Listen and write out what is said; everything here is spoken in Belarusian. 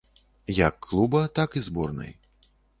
Як клуба, так і зборнай.